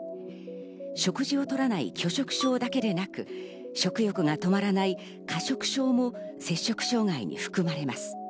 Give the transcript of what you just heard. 食事を摂らない拒食症だけでなく、食欲が止まらない過食症も摂食障害に含まれます。